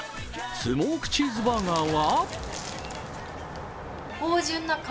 スモークチーズバーガーは？